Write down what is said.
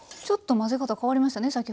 ちょっと混ぜ方変わりましたね